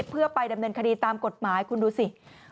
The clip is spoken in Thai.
เพื่อไปดำเนินคดีตามกฎหมายคุณดูสิ